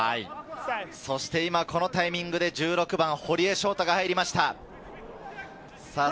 そして今、このタイミングで１６番・堀江翔太が入りました。